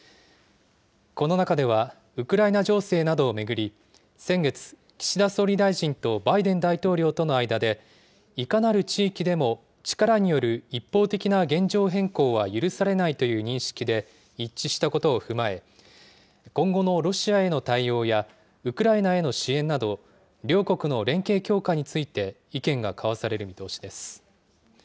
この中では、ウクライナ情勢などを巡り、先月、岸田総理大臣とバイデン大統領との間で、いかなる地域でも、力による一方的な現状変更は許されないという認識で一致したことを踏まえ、今後のロシアへの対応や、ウクライナへの支援など、両国の連携強化について意見が交わされる見通しです。